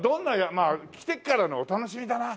まあ来てからのお楽しみだな。